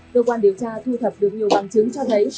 cơ quan điều tra thu thập được nhiều bằng chứng cho thấy